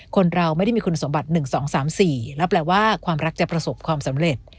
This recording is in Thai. คนเราไม่ได้มีคุณสมบัติ๑๒๓๔แล้วแปลว่าความรักจะประสบความสำเร็จ